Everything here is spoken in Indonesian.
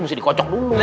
harus dikocok dulu